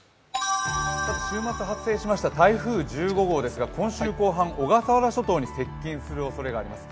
週末発生しました台風１５号ですが、今週後半小笠原諸島に接近するおそれがあります。